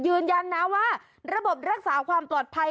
ยืนยันนะว่าระบบรักษาความปลอดภัย